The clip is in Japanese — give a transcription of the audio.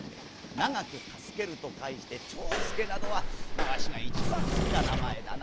『長く助ける』と書いて長助などはわしがいちばんすきな名前だな」。